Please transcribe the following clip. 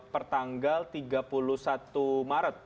per tanggal tiga puluh satu maret